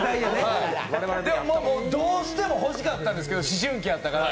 で、どうしても欲しかったんですけど、思春期だったから。